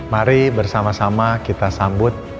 mari bersama sama kita sambut